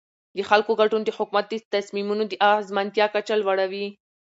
د خلکو ګډون د حکومت د تصمیمونو د اغیزمنتیا کچه لوړوي